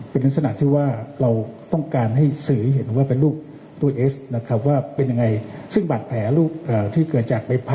ไปฟังตำรวจพูดค่ะ